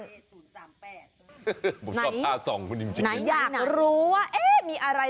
ผมชอบท่าส่องคุณจริงไหนอยากรู้ว่าเอ๊ะมีอะไร